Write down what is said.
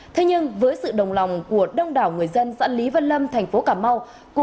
thế nhưng với sự đồng lòng của đông đảo người dân dãn lý vân lâm thành phố cảm mau